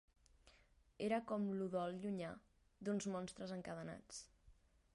Era com l'udol llunyà d'uns monstres encadenats